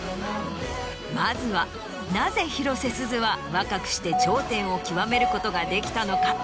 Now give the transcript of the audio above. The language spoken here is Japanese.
まずはなぜ広瀬すずは若くして頂点を極めることができたのか？